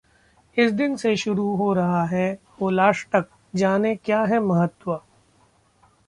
इस दिन से शुरू हो रहा है होलाष्टक, जानें- क्या है महत्व